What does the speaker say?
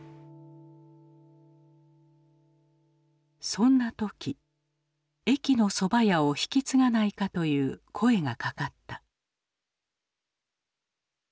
そんな時駅のそば屋を引き継がないかという声がかかった。